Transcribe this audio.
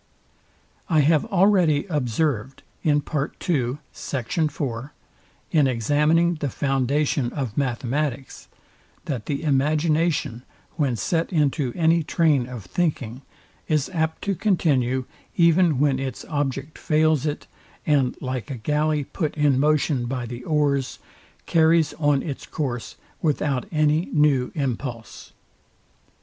I have already observed, in examining the foundation of mathematics, that the imagination, when set into any train of thinking, is apt to continue, even when its object fails it, and like a galley put in motion by the oars, carries on its course without any new impulse.